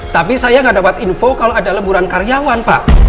tapi saya nggak dapat info kalau ada lemburan karyawan pak